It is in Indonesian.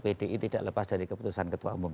pdi tidak lepas dari keputusan ketua umum